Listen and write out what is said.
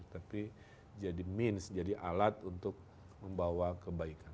tapi jadi means jadi alat untuk membawa kebaikan